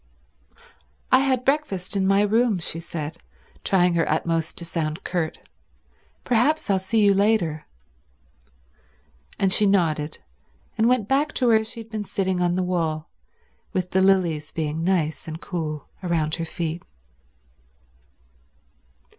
"I had my breakfast in my room," she said, trying her utmost to sound curt. "Perhaps I'll see you later." And she nodded, and went back to where she had been sitting on the wall, with the lilies being nice and cool round her feet.